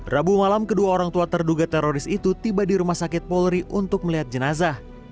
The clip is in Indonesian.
rabu malam kedua orang tua terduga teroris itu tiba di rumah sakit polri untuk melihat jenazah